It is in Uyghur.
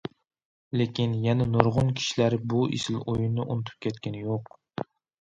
لېكىن يەنە نۇرغۇن كىشىلەر بۇ ئېسىل ئويۇننى ئۇنتۇپ كەتكىنى يوق.